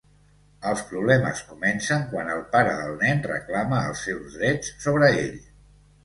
Els problemes comencen quan el pare del nen reclama els seus drets sobre ell.